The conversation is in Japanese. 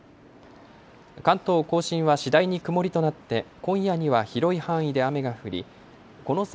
関東甲信は次第に曇りとなって今夜には広い範囲で雨が降りこの先